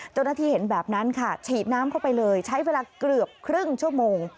เจ้าหน้าที่เห็นแบบนั้นค่ะฉีดน้ำเข้าไปเลยใช้เวลาเกือบครึ่งชั่วโมง